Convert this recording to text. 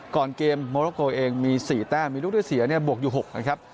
ก่อนเกมโมโลโกเองมี๔แต้มมีลูกด้วยเสียเนี่ยบวกอยู่๖นะครับ